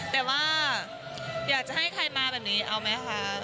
แต่ว่าอยากจะให้ใครมาแบบนี้เอาไหมคะ